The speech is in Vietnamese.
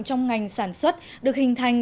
trong ngành sản xuất được hình thành